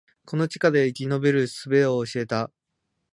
この地下街で生き延びる術を教えた